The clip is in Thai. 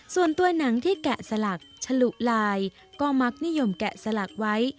ส่วนตัวหนังที่แกะสลักฉลุลายก็มักนิยมแกะสลักไว้